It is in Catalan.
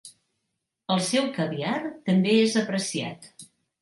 El seu caviar també és apreciat.